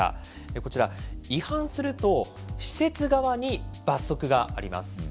こちら、違反すると施設側に罰則があります。